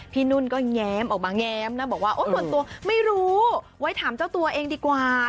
นุ่นก็แง้มออกมาแง้มนะบอกว่าส่วนตัวไม่รู้ไว้ถามเจ้าตัวเองดีกว่า